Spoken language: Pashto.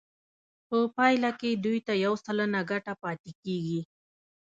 په پایله کې دوی ته یو سلنه ګټه پاتې کېږي